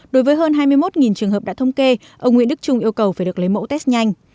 đối với hơn hai mươi một trường hợp đã thông kê ông nguyễn đức trung yêu cầu phải được lấy mẫu test nhanh